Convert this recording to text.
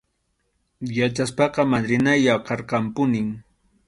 Yachaspaqa madrinay waqarqanpunim.